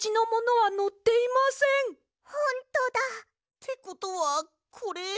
ってことはこれ。